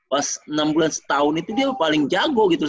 pas enam bulan setahun itu dia paling jago gitu